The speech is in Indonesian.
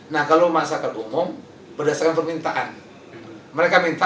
nah kalau masyarakat umum berdasarkan permintaan